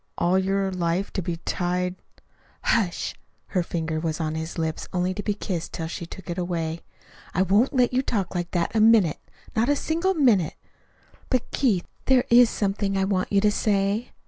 All your life to be tied " "Hush!" Her finger was on his lips only to be kissed till she took it away. "I won't let you talk like that a minute not a single minute! But, Keith, there is something I want you to say."